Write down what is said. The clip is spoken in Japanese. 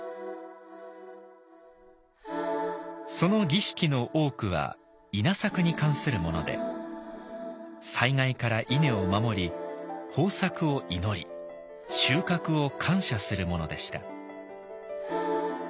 その儀式の多くは稲作に関するもので災害から稲を守り豊作を祈り収穫を感謝するものでした。